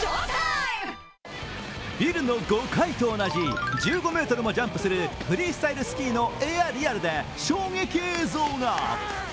ビルの５階と同じ１５ｍもジャンプするフリースタイルスキーのエアリアルで衝撃映像が。